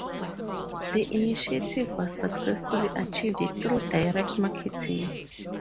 This initiative was successfully achieved through direct marketing.